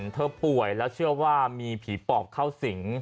เธอป่วยแล้วเชื่อว่ามีผีปอบเข้าสิง